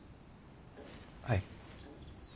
はい。